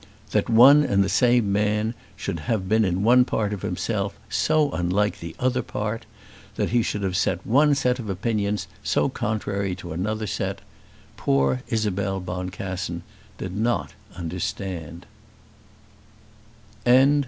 That one and the same man should have been in one part of himself so unlike the other part, that he should have one set of opinions so contrary to another set, poor Isabel Boncassen did not understand.